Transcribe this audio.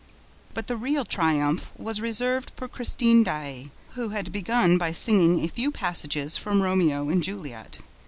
But the real triumph was reserved for Christine Daae, who had begun by singing a few passages from Romeo and Juliet.